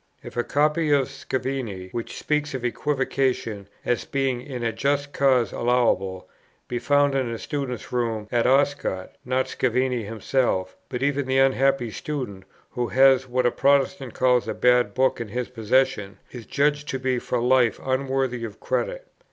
If a copy of Scavini, which speaks of equivocation as being in a just cause allowable, be found in a student's room at Oscott, not Scavini himself, but even the unhappy student, who has what a Protestant calls a bad book in his possession, is judged to be for life unworthy of credit.